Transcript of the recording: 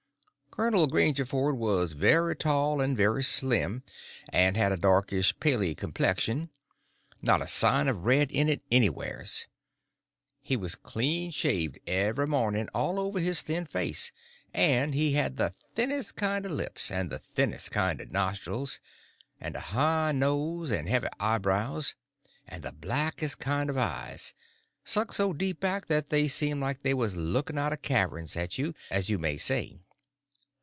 Col. Grangerford was very tall and very slim, and had a darkish paly complexion, not a sign of red in it anywheres; he was clean shaved every morning all over his thin face, and he had the thinnest kind of lips, and the thinnest kind of nostrils, and a high nose, and heavy eyebrows, and the blackest kind of eyes, sunk so deep back that they seemed like they was looking out of caverns at you, as you may say.